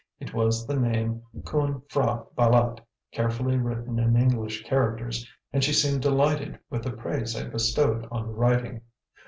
It was the name "Khoon P'hra Bâlât," carefully written in English characters, and she seemed delighted with the praise I bestowed on the writing.